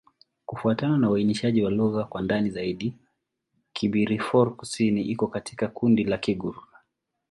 Kufuatana na uainishaji wa lugha kwa ndani zaidi, Kibirifor-Kusini iko katika kundi la Kigur.